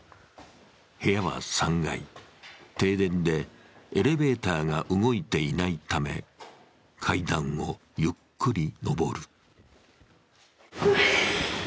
部屋が３階、停電でエレベーターが動いていないため階段をゆっくり上る。